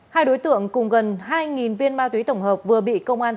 hai đối tượng cùng gần hai viên ma túy tổng hợp vừa bị công an